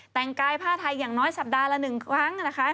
แต่งกายผ้าไทยอย่างน้อยสัปดาห์ละหนึ่งครั้ง